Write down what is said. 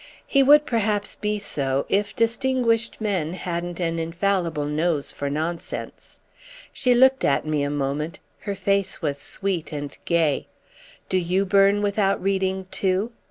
"He would perhaps be so if distinguished men hadn't an infallible nose for nonsense." She looked at me a moment—her face was sweet and gay. "Do you burn without reading too?"